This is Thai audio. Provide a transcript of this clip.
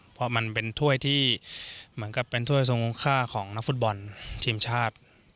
เพราะมันเป็นถ้วยที่เหมือนกับเป็นถ้วยทรงค่าของนักฟุตบอลทีมชาติ